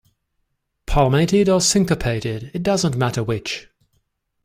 Palmated or syncopated, it doesn't matter which.